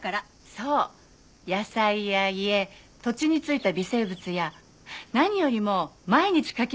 そう野菜や家土地についた微生物や何よりも毎日かき混ぜる